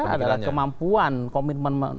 adalah kemampuan komitmen